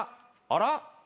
あら？